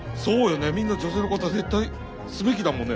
みんな女性の方絶対すべきだもんね。